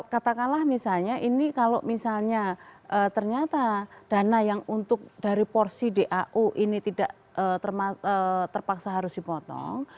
katakanlah misalnya ini kalau misalnya ternyata dana yang untuk dari porsi dau ini tidak terpaksa harus dipotong